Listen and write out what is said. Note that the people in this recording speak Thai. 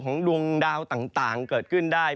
ดวงดาวต่างเกิดขึ้นได้